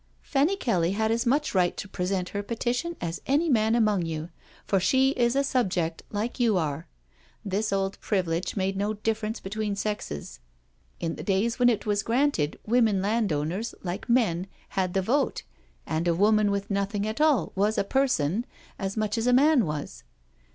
" Fanny Kelly had as much right to present her petition as any man among you, for she is a subject, like you are. This old privilege made no difference between sexes. In the days when it was granted, women landowners, like men, had the vote, and a woman with nothing at all was a ' person ' as much as a man was."